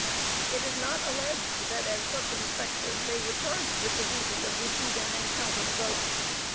It is not alleged that as such inspectors they were charged with the duty of receiving and counting votes.